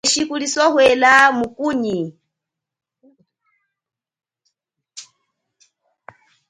Thutha wasema keshi kuli sohwela mukunyi.